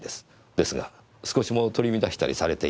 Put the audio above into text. ですが少しも取り乱したりされていない。